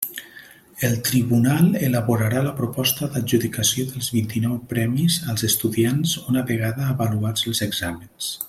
El tribunal elaborarà la proposta d'adjudicació dels vint-i-nou premis als estudiants una vegada avaluats els exàmens.